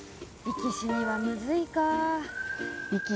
生き死にはむずい。